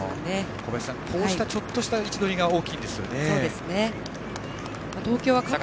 小林さん、こうしたちょっとした位置取りがそうですね。